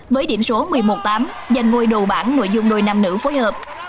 với điểm số một mươi một tám giành ngôi đồ bản nội dung đôi nam nữ phối hợp